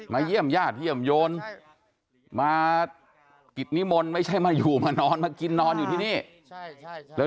มีสีกากับลูกสาว